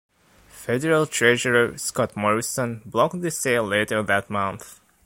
Federal Treasurer, Scott Morrison, blocked the sale later that month.